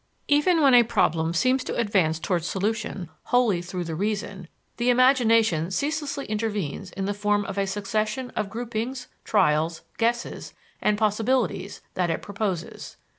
Even when a problem seems to advance towards solution wholly through the reason, the imagination ceaselessly intervenes in the form of a succession of groupings, trials, guesses, and possibilities that it proposes.